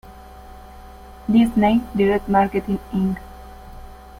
Disney Direct Marketing, Inc.